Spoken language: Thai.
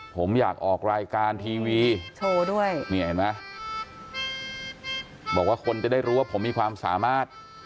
ผมอยากออกรายการทีวีบอกว่าคนจะได้รู้ว่าผมมีความสามารถ